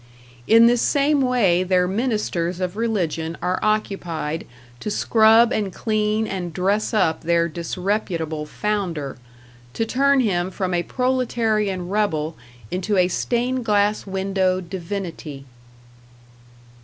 In this same way their ministers of religion are occupied to scrub and clean and dress up their disreputable Founder to turn him from a proletarian rebel into a stained glass window divinity.